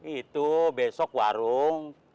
itu besok warung